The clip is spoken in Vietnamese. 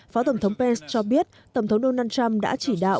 phó tổng thống pence cho biết tổng thống donald trump đã chỉ đạo